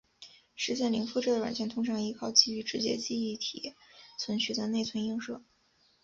实现零复制的软件通常依靠基于直接记忆体存取的内存映射。